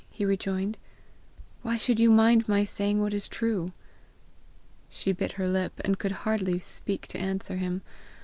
he rejoined. "Why should you mind my saying what is true?" She bit her lip, and could hardly speak to answer him.